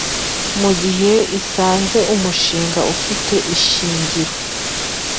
Mu gihe isanze umushinga ufite ishingiro